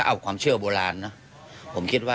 ถ้าเอาความเชื่อโบราณนะ